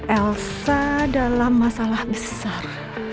elsa dalam masalah besar